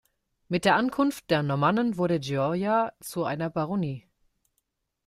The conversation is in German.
Mit der Ankunft der Normannen wurde Gioia zu einer Baronie.